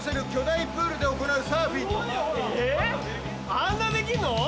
あんなできんの？